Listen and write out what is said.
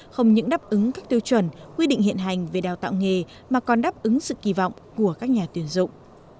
không những đáp ứng các tiêu chuẩn quy định hiện hành về đào tạo nghề mà còn đáp ứng sự kỳ vọng của các nhà tuyển dụng